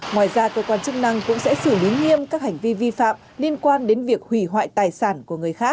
ngoài ra cơ quan chức năng cũng sẽ xử lý nghiêm các hành vi vi phạm liên quan đến việc hủy hoại tài sản của người khác